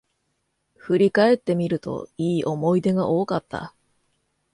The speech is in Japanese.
振り返ってみると、良い思い出が多かった